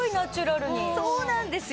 そうなんですよ。